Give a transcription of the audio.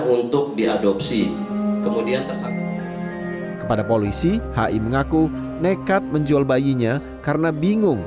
untuk diadopsi kemudian tersangka kepada polisi hi mengaku nekat menjual bayinya karena bingung